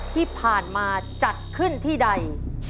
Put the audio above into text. ที่ผ่านมาจัดขึ้นที่ใด